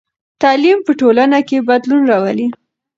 تعلیم په ټولنه کې بدلون راولي.